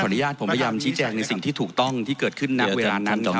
อนุญาตผมพยายามชี้แจงในสิ่งที่ถูกต้องที่เกิดขึ้นณเวลานั้นครับ